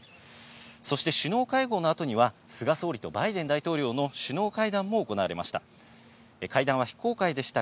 そして首脳会合のあとには、菅総理とバイデン大統領の首脳会談も行われました。